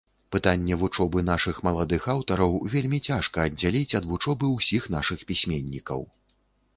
Пытанне вучобы нашых маладых аўтараў вельмі цяжка аддзяліць ад вучобы ўсіх нашых пісьменнікаў.